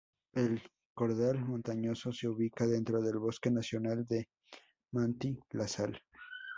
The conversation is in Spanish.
El cordal montañoso se ubica dentro del bosque Nacional de Manti-La Sal.